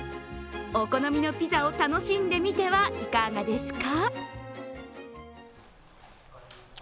お好みのピザを楽しんでみてはいかがですか。